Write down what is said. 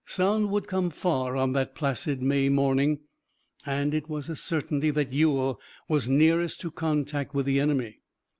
Sound would come far on that placid May morning, and it was a certainty that Ewell was nearest to contact with the enemy.